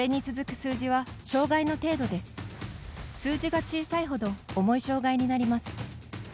数字が小さいほど重い障がいになります。